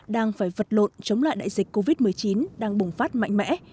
đang phải vật lộn chống lại đại dịch covid một mươi chín đang bùng phát mạnh mẽ